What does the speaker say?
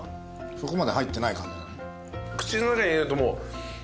そこまで入ってない感じなの？